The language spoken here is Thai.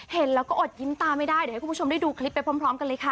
เห็นแล้วก็อดยิ้มตาไม่ได้เดี๋ยวให้คุณผู้ชมได้ดูคลิปไปพร้อมกันเลยค่ะ